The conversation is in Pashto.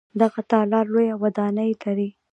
دغه تالار لویه ودانۍ لري.